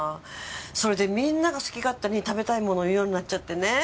それでみんなが好き勝手に食べたいもの言うようになっちゃってね。